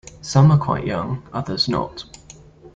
Some are quite young, others not.